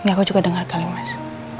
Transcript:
ini aku juga denger kali mas